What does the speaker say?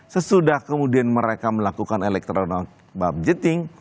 sesudah kemudian mereka melakukan elektronik bab jetting